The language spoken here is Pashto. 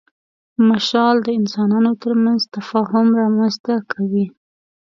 مشال د انسانانو تر منځ تفاهم رامنځ ته کوي.